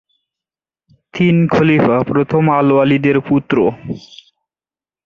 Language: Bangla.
তিনি খলিফা প্রথম আল-ওয়ালিদের পুত্র।